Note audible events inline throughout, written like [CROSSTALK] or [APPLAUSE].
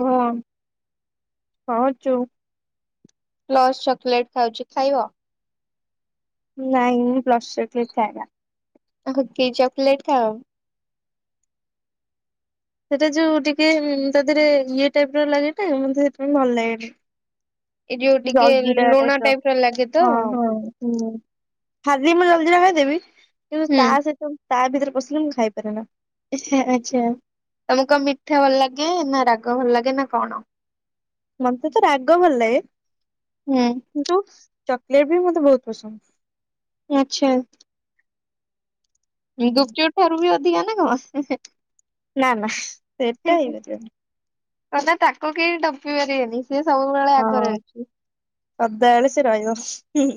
ହଁ। କଣ କରୁଚୁ? ପ୍ଲସ ଚକୋଲେଟ ଖାଉଛି ଖାଇବ? ନାଇଁ ମୁଁ ପ୍ଲସ୍ ଚକଲେଟ ଖଏନା। ଆଉ କି ଚକଲେଟ ଖାଅ? ସେଇଟା ଯୋଉ ଟିକେ ତା ଦେହରେ ଇଏ ଟାଇପ ର ଲାଗେ ଟା ମତେ ସେଥିପାଇଁ ଭଲ ଲାଗେନି। ଏଇ ଯୋଉ ଟିକେ ଲୁଣ ଟାଇପ ର ଲାଗେ ତ ହଁ। ହୁଁ ଖାଲିି ମୁଁ ଜଲଜିରା ଖାଇଦେବି କିନ୍ତୁ ତା ସହିତ ତା ଭିତରେ ପସିଲେ ମୁଁ ଖାଇପାରେ ନା। ଆଛା ଆଛା ତମକୁ କଣ ମିଠା ଭଲ ଲାଗେ ନା ରାଗ ଭଲ ଲାଗେ ନା କଣ? ମତେ ତ ରାଗ ଭଲ ଲାଗେ ହୁଁ କିନ୍ତୁ ଚକୋଲେଟ ବି ମତେ ବହୁତ ପସନ୍ଦ। ଆଚ୍ଛା। ଗୁପଚୁୁର ଠାରୁ ବି ବଧିଆ ନା କଣ? ନା ନା ସେଇଟା ହେଇପାରିବନି। କ ନା ତାକୁ କେହି ଟପି ପାରିବେନି ସେ ସବୁବେଳେ ଆଗରେ ଅଛି। ସଦା ବେଳେ ସେ ରହିବ।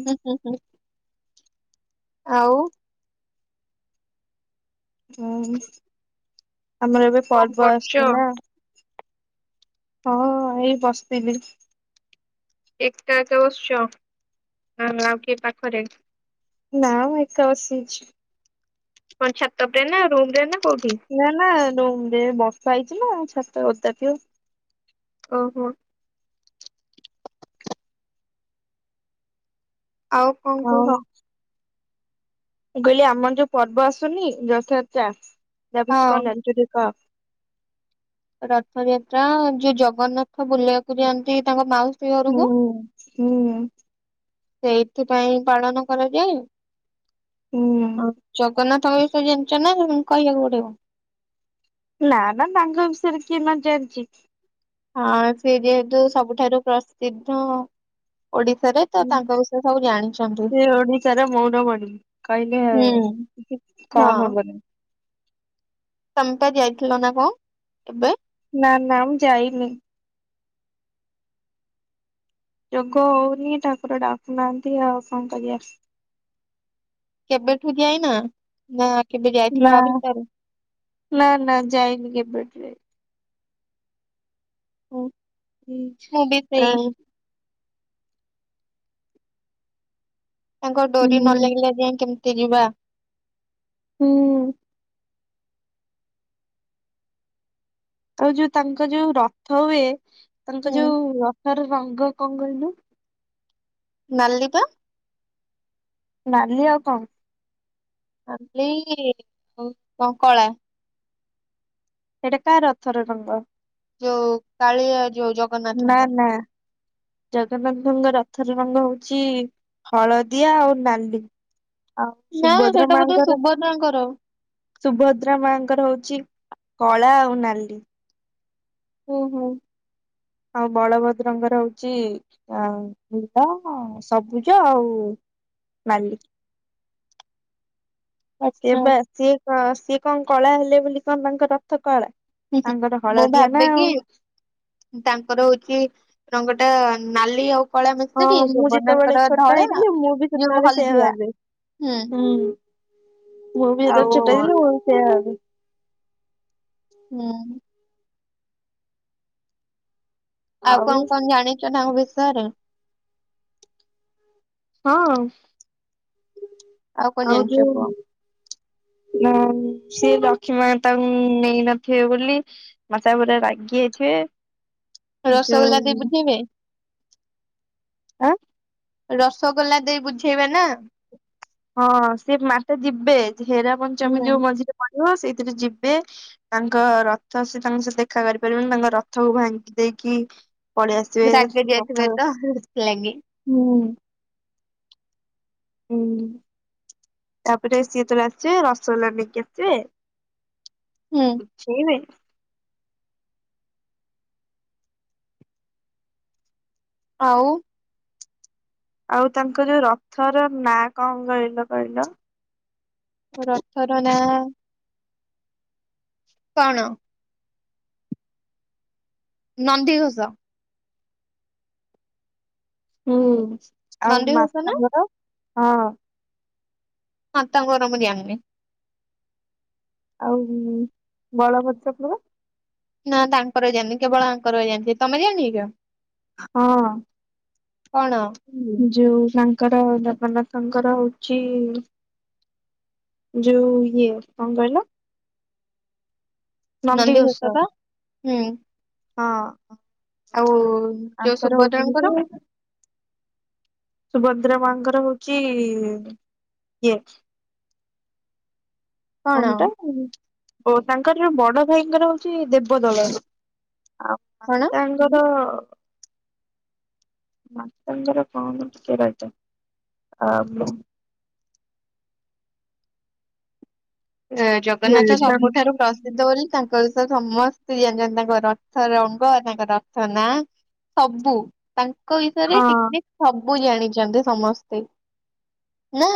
ହୁଁ ହୁଁ ହୁଁ ଆଉ। ହୁଁ ଆମର ଏବେ କଣ ପର୍ବ କରୁଛ? ଆସଛି ନା। ହଁ ଏଇ ବସିଥିଲି। ଏକା ଏକା ବସିଛ ନା ନା ଆଉ କିଏ ପାଖରେ? ନା ମୁଁ ଏକା ବସିଛି। କଣ ଛାତ ଉପରେ ନା ରୁମ ରେ ନା କଉଠି? ନା ନା ରୁମ ରେ ବର୍ଷା ହେଇଛି ନା ଛାତ ଓଦା ଥିବ। ଓହୋ। ଆଉ କଣ ଆଉ କୁହ? ମୁଁ କହିଲି ଆମର ଯୋଉ ପର୍ବ ଆସୁନି ଯଥଯାତ୍ରା ତା ବିଷୟରେ ହଁ। କଣ ଜଣିଚ କ? ରଥଯାତ୍ରା ଯୋଉ ଜଗନ୍ନାଥ ବୁଲିବାକୁ ଯାଆନ୍ତି ତାଙ୍କ ମାଉସ ହୁଁ ହୁଁ ସେଇଥିପାଇଁ ପାଳନ କରାଯାଏ ହୁଁ ଆ ଜଗନ୍ନାଥ ଙ୍କୁ ଜାଣିଛ ନା କହିବାକୁ ପଡିବ? ନା ନା ତାଙ୍କ ବିଷୟରେ କିଏ ନ ଜାଣିଚି? ହଁ ସେ ଯେହେତୁ ସବୁଠାରୁ ପ୍ରସିଦ୍ଧ ଓଡିଶାରେ ତ ହୁଁ, ତାଙ୍କ ବିଷୟ ସବୁ ଜା ଜାଣିଚନ୍ତି ସେ ଓଡ଼ିିଶା ର ମୌଡ ମଣି କହିଲେ ହୁଁ। କିଛି କମ୍ ହଁ ହବନି ତମେ ପା ଯାଇଥିଲ ନା କଣ ଏବେ? ନା ନା ମୁଁ ଯାଇନି। ଯୋଗ ହଉନି ଠାକୁର ଡାକୁନାହାନ୍ତି ଆଉ କଣ କରିବା? କେବେଠୁ ଯାଇନ ନା କେବେ ନା ଯାଇଥିଲ ଆ ଭିତରେ? ନା ନା ଯାଇନି କେବେଠୁ ଯାଇନି। ହଉ ହଁ ଆ ତାଙ୍କ ଡୋରି ନ ଲାଗିଲା ଯାଏ କେମିତି ଯିବା? ହୁଁ ଆଉ ଯୋଉ ତାଙ୍କ ଯୋଉ ରଥ ହୁଏ ତାଙ୍କ ହୁଁ ଯୋଉ ରଥର ରଙ୍ଗ କଣ କହିଲୁ? ନାଲି ପା ନାଲି ଆଉ କଣ? ନାଲି ଆଉ ତ କଳା। ଏଇଟା କା ରଥର ରଙ୍ଗ? ଯୋଉ କାଳିଆ ଯୋଉ ଜଗ ନା ନା ଜଗନ୍ନାଥଙ୍କ ରଥର ରଙ୍ଗ ହଉଛି ହଳଦିଆ ଆଉ ନାଲି, ଆଉ ନା ସୁଭଦ୍ର ସେଇଟା ବୋଧେ ମାଆଙ୍କର ସୁଭଦ୍ରାଙ୍କର ସୁଭଦ୍ରା ମାଆଙ୍କର ହଉଛି କଳା ଆଉ ନାଲି। ଓ ହୋ! ଆଉ ବଳଭଦ୍ରଙ୍କର ହଉଚି ଆଉ ନୀଳ ସବୁଜ ଆଉ ମାଲି ସେ ଆଚ୍ଛା। ବା ସିଏ କ ସିଏ କଣ କଳା ହେଲେ ବୋଲି କଣ ତାଙ୍କ ରଥ କଳା? ହୁଁ ହୁଁ ତାଙ୍କର ମୁଁ ହଳଦିଆ ନା ଭାବେ ଆଉ କି ତାଙ୍କର ହଉଛି ରଙ୍ଗଟା ନାଲି ଆଉ କଳା ହଁ ମିଶିକି ମୁଁ ଯେତେବେଳେ ସୁଭଦ୍ରାଙ୍କର ଛୋଟ ଧଳା ହେଇଥିଲି ମୁଁ ବି ଯଉ ସେତେବେଳେ ସେଇଆ ହଲଦିଆ ଭାବେ। ହୁଁ ମୁଁ ବି ଆଉ କେତେବେଳେ ଛୁଟ ହେଇଥିଲି ମୁଁ ବି ସେୟା ଭାବେ ହୁଁ ଆଉ କଣ କଣ ଜାଣିଚ ତାଙ୍କ ବିଷୟରେ? ହଁ କଣ ଆଉ ଜାଣିଛ ଯୋଉ [INAUDIBLE] ହଁ ସେ ଲକ୍ଷ୍ମୀ ମାତାଙ୍କୁ ନେଇନଥିବେ ବୋଲି [UNINTELLIGIBLE] ରାଗି ଯାଇଥିବେ ରସଗୋଲା ଦେଇ ଯୋଉ ବୁଝେଇବେ, ଆଁ! ରସଗୋଲା ଦେଇ ବୁଝେଇବା ନା। ହଁ ସେ ମାତା ଯିବେ, ଯେ ହେରା ପଞ୍ଚମୀ ହୁଁ। ଯୋଉ ମଝିରେ ପଡିବ ସେଇଥିରେ ଯିବେ ତାଙ୍କ ରଥ ସେ ତାଙ୍କ ସହ ଦେଖା କରିପାରିବେନି ତାଙ୍କ ରଥକୁ ଭାଙ୍ଗି ଦେଇକି ପଳେଇ ଆସିବେ ରାଗି ଯାଇଥିବେ ସକାଳୁ ତ ସେଥିଲାଗି ହୁଁ। ହୁଁ। ତାପରେ ସିଏ ଯେତେବେଳେ ଆସେ ରସଗୋଲା ନେଇକି ଆସେ। ହୁଁ। ଅଛି କି ନାଇଁ। ଆଉ ଆଉ ତାଙ୍କ ଯୋଉ ରଥର ନାଁ କଣ କହିଲ କହିଲ? ରଥର ନାଁ କଣ? ନନ୍ଦି ଘୋଷ। ହୁଁ ଆଉ ନନ୍ଦିଘୋଷ ନା ମାଶାଙ୍କର ହଁ। ହଁ ତାଙ୍କର ମୁଁ ଜାଣିନି। ଆଉ ବଳଭଦ୍ରଙ୍କ ର ନା ତାଙ୍କର ବି ଜାଣିନି କେବଳ ଆଙ୍କର ହି ଜାଣିଛି ତମେ ଜାଣିଚ? ହଁ। କଣ? ଯୋଉ ତାଙ୍କର ଜଗନ୍ନାଥଙ୍କର ହଉଛି ଯୋଉ ଇଏ କଣ କହିଲ ନନ୍ଦିଘୋଷ ନନ୍ଦୀଘୋଷ ପା ହୁଁ ହଁ। ଆଉ ଯୋଉ ତାଙ୍କର ସୁଭଦ୍ରାଙ୍କର ହଉଛନ୍ତି ସୁଭଦ୍ରା ମାଙ୍କର ହଉଛି ଇଏ କଣ କଁ ସେଇଟା ଓ ତାଙ୍କର ଯୋଉ ବଡ ଭାଇଙ୍କର ହଉଛି ଦେବଦଳନ ଆଉ କଣ ମାତାଙ୍କର ମାତାଙ୍କର କଣ ଟିକେ ରହିଥାଅ। ଜଗନ୍ନାଥ ସବୁଠାରୁ ପ୍ର ରି ତାଙ୍କର ସମସ୍ତେ ଜାଣିଛନ୍ତି ତାଙ୍କ ରଥ ରଙ୍ଗ ତାଙ୍କ ରଥ ନା ସବୁ ତା ତାଙ୍କ ବିଷୟରେ ହଁ ଟିକ୍ ନିକ୍ ସବୁ ଜାଣିଛନ୍ତି ସମସ୍ତେ ନା।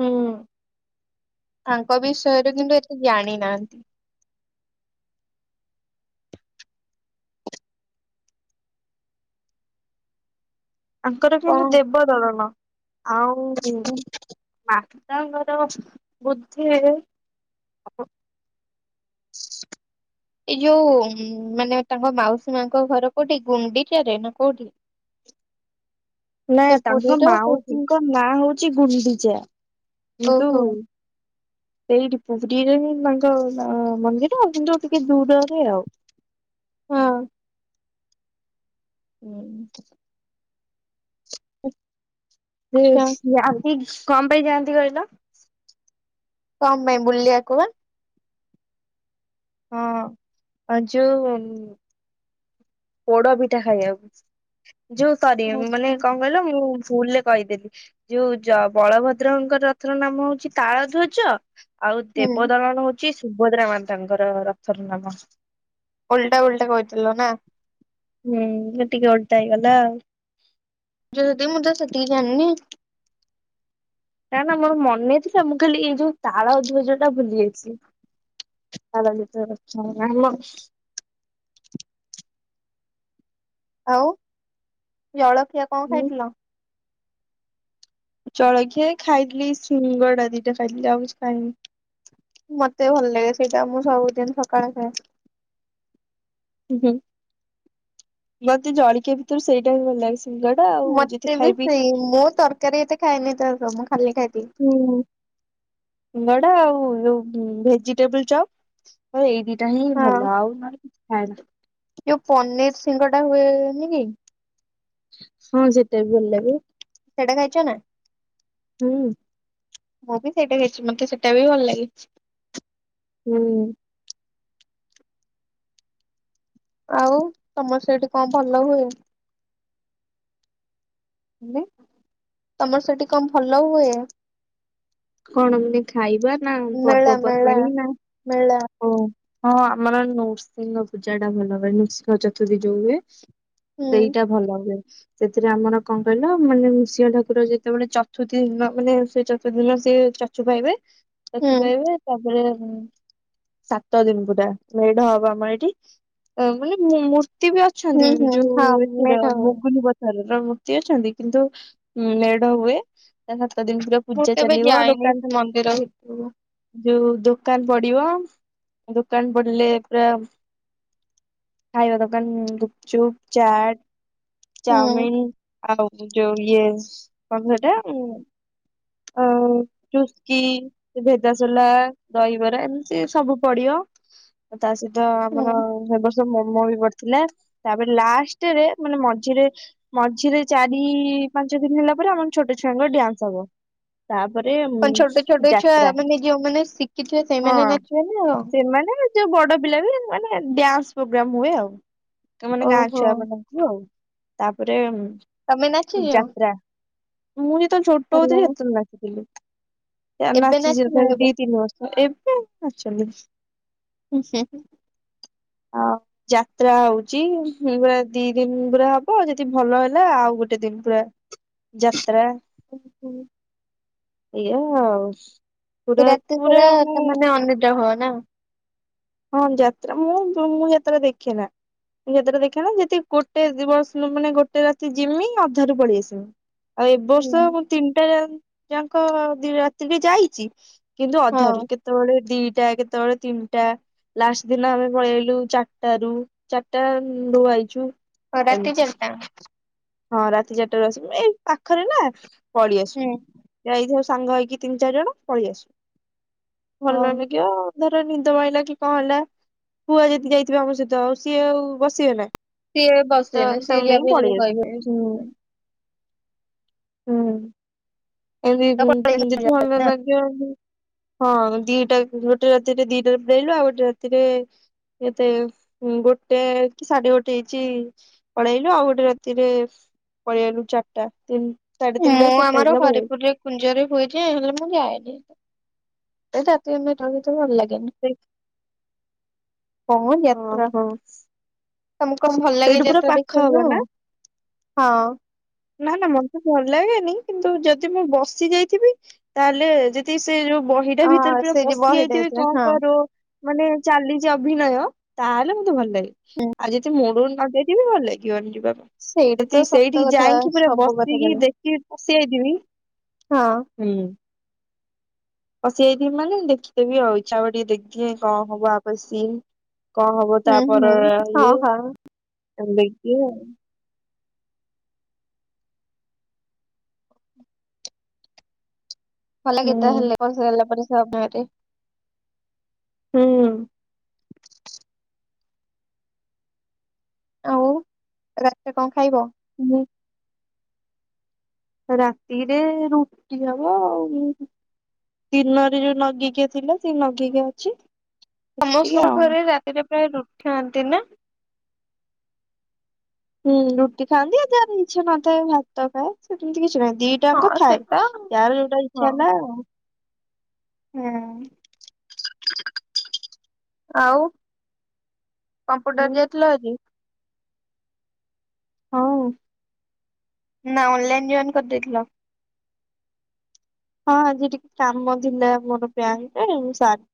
ହୁଁ ଆଙ୍କ ବିଷୟରେ କିନ୍ତୁ ଏତେ ଜାଣି ନାହାନ୍ତି। ଆଙ୍କର କିନ୍ତୁ ଦେବଦଳନ ଆଉ କଣ ମାତାଙ୍କର ବୋଧେ ଏଇ ଯୋଉ ମାନେ ତାଙ୍କ ମାଉସୀ ମାଙ୍କ ଘର କୋଉଠି ଗୁଣ୍ଡିଚାରେ ନା କୋଉଠି? [INAUDIBLE] ନା ତାଙ୍କ ପୁରୀର କୋଉଠି? ମାଉସୀଙ୍କ ନାଁ ହଉଛି ଗୁଣ୍ଡିଚା କିନ୍ତୁ ଓହୋ ସେଇଠି ପୁରୀରେ ହିଁ ତାଙ୍କ ମନ୍ଦିର ଆଉ କିନ୍ତୁ ଟିକେ ଦୂରରେ ଆଉ। ହଁ। ହୁଁ। ଆଚ୍ଛା ସେ ଯାନ୍ତି କଣ ପାଇଁ ଯାଆନ୍ତି କହିଲ? କଣ ପାଇଁ ବୁଲିବାକୁ ବା। ହଁ ଯୋଉ ପୋଡ ପିଠା ଖାଇବାକୁ ଯୋଉ ସରି ମାନେ ଆଚ୍ଛା। କଣ କହିଲ ମୁଁ ଭୁଲରେ କହିଦେଲି। ଯୋଉ ବଳଭଦ୍ରଙ୍କ ରଥର ନାମ ହଉଛି ତାଳ ଧ୍ୱଜ। ଆଉ ହୁଁ ଦେବଦଳନ ହଉଛି ସୁଭଦ୍ରା ମାତାଙ୍କର ରଥର ନାମ। ଓଲଟା ଓଲଟା କହିଥିଲ ନା। ହୁଁ ଟିକେ ଓଲଟା ହେଇଗଲା ଆଉ। ଯିଏ ଯେତିକି ମୁଁ ତ ସେତିକି ଜାଣିନି। ନା ନା ମୋର ମନେ ଥିଲା ମୁଁ ଖାଲି ଏଇ ଯୋଉ ତାଳଧ୍ୱଜ ଟା ଭୁଲି ଯାଇଛି। ଭ ଯିତ ଆ [INAUDIBLE] ଆଉ ଜଳଖିଆ କଣ ମୁଁ ଖାଇଥିଲ? ଚଳଖିଆ ଖାଇଥିଲି ଶିଙ୍ଗଡା ଦିଟା ଖାଇଥିଲି ଆଉ କିଛି ଖାଇନି। ମତେ ଭଲ ଲାଗେ ସେଇଟା ମୁଁ ସବୁଦିନ ସକାଳେ ଖଏ। ହୁଁ ମତେ ଜଳିଖିଆ ଭିତରୁ ସେଇଟା ବି ଭଲ ଲାଗ ସିଙ୍ଗଡ଼ା। ମତେ ବି ସେଇ ମୁଁ ତରକାରୀ ଏତେ ଖାଇନି ତ ମୁଁ ଖାଲିି ଖାଇଦେବି। ହଁ ସିଙ୍ଗଡ଼ା ଆଉ ଉ ଭେଜିଟେବୁଲ ଚପ୍। ହଁ ଏଇ ଦିଟା ହିଁ ହଁ ଭଲ ଆଉ ନହେଲେ କିଛି ଖଏନା। ଯୋଉ ପନିର ସିଙ୍ଗଡା ହୁଏନି କି ଜୋ ହଁ ସେଟା ବି ଭଲ ଲାଗେ। ସେଇଟା ଖାଇଛ ନା? ହୁଁ। ମୁଁ ବି ସେଇଟା ଖାଇଛି ମତେ ସେଇଟା ବି ଭଲ ଲାଗେ। ହୁଁ। ଆଉ ତମର ସେଠି କଣ ଭଲ ହୁଏ? ହେଲେ ତମର ସେଠି କଣ ଭଲ ହୁଏ? କଣ ମେ ଖାଇବା ନା ମେଳା ମେଳା ପର୍ବପର୍ବାଣିୀ ନା ମେଳା ଓ ହଁ ଆମର ନୃସିଂହ ପୂଜା ଟା ଭଲ ହୁଏ ନୃସିଂହ ଚତୃଥୀ ଯୋଉ ହୁଏ। ହୁଁ ସେଇଟା ଭଲ ହୁଏ। ସେଥିରେ ଆମର କଣ କହିଲ ମାନେ ନୃସିଂହ ଠାକୁର ଯେତେବେଳେ ଚତୁର୍ଥୀ ଦିନ ନ ମାନେ ସେ ଚତୁଦିନ ସେ ଚକ୍ଷୁ ପାଇବେ ହୁଁ ଚକ୍ଷୁ ପାଇବେ ତାପରେ ସାତ ଦିନ ପୁରା ମେଢ ହବ ଆମର ଏଇଠି ମାନେ ମୁ ମୁ ମୃତ୍ତି ବି ଅଛନ୍ତି ହୁଁ ହୁଁ ଯୋଉ ହଁ ଏଥିର ମେଢ ହୁଏ। ମୁଗୁନି ପ ରର ମୂର୍ତ୍ତି ଅଛନ୍ତି କିନ୍ତୁ ମେଢ ହୁଏ ତା ସାତ ଦିନ ପୁରା ପୂଜା ଚାଲିବ ଯାଏନି ଦୋକାନ ସେ ମନ୍ଦିର ଭିତରୁକୁ। ଯୋଉ ଦୋକାନ ପଡିବ ଦୋକାନ ପଡିଲେ ପୁରା ଖାଇବା ଦୋକାନ ଗୁପଚୁପ ଚାଟ ହୁଁ ଚାଉମିନ ଆଉ ଯୋଉ ଇଏ କଣ ସେଟା ଆ ଚୁସ୍କି ସେ ଭେଜାସୋଲା ଦହିବରା ଏମିତି ସବୁ ପଡିବ। ଆ ତା ସହିତ ଆମର ହୁଁ। ସେ ବର୍ଷ ମୋମୋ ବି ପଡିଥିଲା ତାପରେ ଲାଷ୍ଟରେ ମାନେ ମଝିରେ ମଝିରେ ଚାରି ପାଞ୍ଚ ଦିନ ହେଲା ପରେ ଆମର ଛୋଟ ଛୁଆଙ୍କର ଡ୍ୟାନ୍ସ ହବ। ତାପରେ କଣ ଛୋଟ ଛୋଟ ଛୁଆ ଯାତ୍ରା ମାନେ ଯୋଉମାନେ ଶିଖିଥିବେ ହଁ ସେଇମାନେ ନାଚିବେ ନା କଣ? ସେମାନେ ଯୋଉ ବଡ ପିଲା ବି ମାନେ ଡ୍ୟାନ୍ସ ପୋଗ୍ରାମ ହୁଏ ଆଉ ତ ମାନେ ଗାଁ ଓହୋ ଛୁଆ ବାଲା ଆଉ ତାପରେ ତମେ ନାଚି ଯାଅ? ଯାତ୍ରା ମୁଁ ଯେତେବେଳେ ଛୋଟ ହଉଥିଲି ସେତେବେଳେ ନାଚିଥିଲି ଏବେ ନାଚିଛି ନାଚିନ ତଥାପି କେବେ? ଦି ତିନି ବର୍ଷ। ତ ଏବେ ନାଚ [INAUDIBLE] ହୁଛ ହୁ [INAUDIBLE] ଆଉ ଯାତ୍ରା ହୋଉଛି ହୁଁ ପୁରା ଦି ଦିନ ପୁରା ହବ ଯଦି ଭଲ ହେଲା ଆଉ ଗୋଟେ ଦିନ ପୁରା। ଯାତ୍ରା। ଓହୋ। ଏଇଆଉ। ସେ ରାତି ସାରା ତମେ ମାନେ ଅନିଦ୍ରା ହବ ନା? ହଁ ଯାତ୍ରା ମୁଁ ମୁଁ ଯାତ୍ରା ଦେଖେନା‌। ମୁଁ ଯାତ୍ରା ଦେଖେନା ଯଦି ଗୋଟେ ଦିବସ ମାନେ ଗୋଟେ ରାତି ଯିମି ଅଧାରୁୁ ପଳେଇ ଆସିମି। ଆଉ ଏବ ବର୍ଷ ହୁଁ ମୁଁ ତିନିଟା ଯାନ୍ ଯାକ ଦି ରାତିରେ ଯାଇଛି। କିନ୍ତୁ ଅଧାରୁ କେତେବେଳେ ଦିଟା କେତେବେଳେ ତିନିଟା। ଲାଷ୍ଟ ଦିନ ଆମେ ପଳେଇଆଇଲୁ ଚାରିଟା ରୁ ଚାରିଟା [UNINTELLIGIBLE] ଆଇଛୁ। ଅ ରାତି ଏମିତି। ଚାରିଟା? ହଁ ରାତି ଚାରିଟାରୁ ଆସିବୁ ଏଇ ପାଖରେ ନା ପଳେଇ ହୁଁ ଆସୁ। ଯାଇ ଥିବୁ ସାଙ୍ଗ ହେଇକି ତିନି ଚାରି ଜଣ ପଳେଇ ଆସୁ। ହଁ। ଧର ନିଦ ମାଇଲା କି କଣ ହେଲା ପୁଆ ଯଦି ଯାଇଥିବେ ଆମ ସହିତ ଆଉ ସିଏ ଆଉ ବସିବେ ନା। ସିଏ ତ ବସେନି ସିଏ ତାଙ୍କୁ ଯାହା ନେଇକି ବି ହେଲେ ପଳେଇ ଆସୁ। କହିବେ। ହୁଁ ହୁଁ। [UNINTELLIGIBLE] ଯଦି ତ ପଳେଇ ଆସନ୍ତି ଭଲ ନ ନା ଲାଗିବ। ହଁ ଦିଟାରେ ଗୋଟେ ରାତିରେ ଦିଟାରେ ପଳେଇ ଆଇଲୁ ଆଉ ଗୋଟେ ରାତିରେ ଏତେ ଗୋଟେ କି ସାଢ଼େ ଗୋଟେ ହେଇଛି। ପଳେଇଲୁ ଆଉ ଗୋଟେ ରାତିରେ ପଳେଇ ଆଇଲୁ ଚାରିଟା ତିନ୍ ସାଢ଼େ ତିନିଟା ଚାରିଟା ହେଇ ଥିଲା ପଳେଇ ଆଇଲୁ। କୁଞ୍ଜରରେ ହୁଏଯେ ହେଲେ ମୁଁ ଯାଏନି ଏ ରାତିରେ [UNINTELLIGIBLE] ଭଲ ଲାଗେ ଗେନୀ। କଣ ଯାତ୍ରା ଓହୋ ତମକୁ କଣ ଭଲ ଲାଗେ ସେଇଠୁ ପୁରା ଯାତ୍ରା ପାଖ ଦେଖିବାକୁ ହବ ନା କଁ? ହଁ। ନା ନା ମତେ ଭଲ ଲାଗେନି କିନ୍ତୁ ଯଦି ମୁଁ ବସି ଯାଇଥିବି ତାହେଲେ ଯେ ତେ ସେ ଯୋଉ ବହିଟା ଭିତରେ ଅ ପୁରା ସେ ଯୋଉ ପଶି ବହିଟେ ଯାଇଥିବି ହେଇଥିଲା କଁ ହଁ। କଁ ରୋ ମାନେ ଚାଲିଛି ଅଭିନୟ ତାହେଲେ ମତେ ଭଲ ଲାଗେ ଆ ଯଦି ମୁଳୁରୁ ନ ଯାଇ ଥିବି ଭଲ ଲାଗିବନି ଯିବାପାଇଁ। ସେଇଟା ତ ସତ କଥା। ସବୁ କଥା ବସିକି କହିଲ ଦେଖିକି ପଶି ଯାଇଥିବି। ହଁ ପଶି ଯାଇଥିବି ମାନେ ଦେଖିଦେବି ଆଉ ଇଚ୍ଛା ଟିକେ ଦେଖିବି କଣ ହବ ଆପରେ ସିନ୍ କଣ ହବ ହୁଁ ହୁଁ। ତାପର ହଁ ଇଏ ହଁ ଏମିତି ଆଉ। ଭଲ ଲାଗେ ତାହେଲେ ପସିଗଲା ପରେ ସେ ଅଭିନୟରେ। ହୁଁ। ଆଉ ରାତିରେ କଣ ଖାଇବ? ଉଁ? ରାତିରେ ରୁଟି ହବ ଆଉ। ଦିନରେ ଯୋଉ ନଗିକିଆ ଥିଲା ସେଇ ନଗିକିଆ ଅଛି। ଟିକେ ସମସ୍ତଙ୍କ ଆଉ। ଘରେ ରାତିରେ ପ୍ରାୟ ରୁଟି ଖାଆନ୍ତି ନା? ହୁଁ ରୁଟି ଖାଆନ୍ତି ଆ ଯାହାର ଇଚ୍ଛା ନଥାଏ ଭାତ ଖାଏ ସେମିତି କିଛି ନାହିଁ ଦିଇ ଟାଙ୍କ ହଁ ଥାଏ ସେଟା ଯାହାର ଯୋଉଟା ହଁ ଇଚ୍ଛା ହେଲା ଆଉ। ହୁଁ। [UNINTELLIGIBLE] ଆଉ କମ୍ପ୍ୟୁଟର ହୁଁ ଯାଇଥିଲ ଆଜି? ହଁ। ନା ଅନ୍ଲାଇନ ଜଏନ କରି ଦେଇଥିଲ? ହଁ ଆଜି ଟିକେ କାମ ଥିଲା ମୋର ପ୍ୟାନକାର୍ଡ ଏ